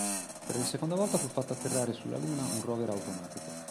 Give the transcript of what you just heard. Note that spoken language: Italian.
Per la seconda volta fu fatto atterrare sulla Luna un rover automatico.